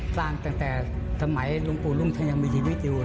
ตั้งแต่สมัยลุงปูฎูลุ่งยังมีชีวิตอยู่